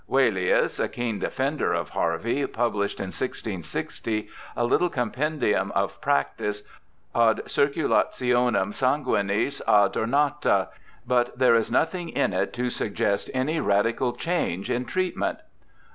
Walaeus, a keen defender of Harvey, published in 1660 a little compendium of practice ad circidationem sanguinis adornata, but there is nothing in it to suggest any radical change in treatment.